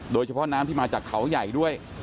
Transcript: โดยเฉพาะน้ำที่มาจากเขาใหญ่ด้วย